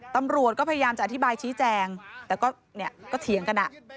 ตำรวจก็พยายามจะอธิบายชี้แจงแต่ก็เนี่ยก็เถียงกัน